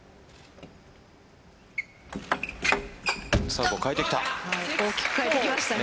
サーブを変えてきた。